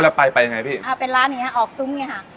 รับหมดเลยไปไหนพี่หลังเป็นร้านออกซุ้มอย่างนี้ค่ะ